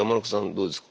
どうですか？